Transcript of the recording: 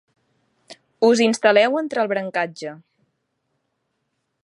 Us instal·leu entre el brancatge.